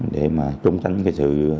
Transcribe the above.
để mà trốn sánh cái sự